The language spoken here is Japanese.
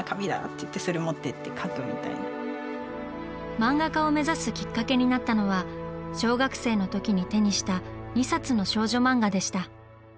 漫画家を目指すきっかけになったのは小学生の時に手にした２冊の少女漫画でした。